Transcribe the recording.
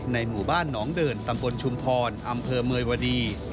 หมู่บ้านหนองเดินตำบลชุมพรอำเภอเมยวดี